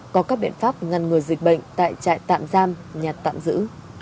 có các biện pháp ngăn ngừa dịch bệnh tại trại tạm giam nhà tạm giữ